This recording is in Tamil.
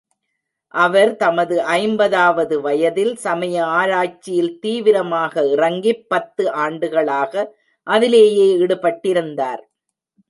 அவர் தமது ஐம்பதாவது வயதில் சமய ஆராய்ச்சியில் தீவிரமாக இறங்கிப் பத்து ஆண்டுகளாக அதிலேயே ஈடுபட்டிருந்தார்.